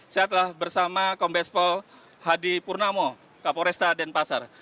saya telah bersama kombespol hadi purnamo kapolesta dan pasar